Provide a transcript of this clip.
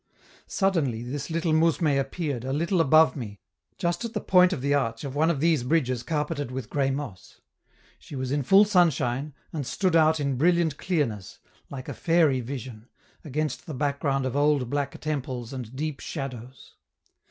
Suddenly this little mousme appeared, a little above me, just at the point of the arch of one of these bridges carpeted with gray moss; she was in full sunshine, and stood out in brilliant clearness, like a fairy vision, against the background of old black temples and deep shadows.